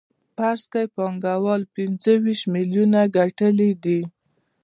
فرض کړئ پانګوال پنځه ویشت میلیونه ګټلي دي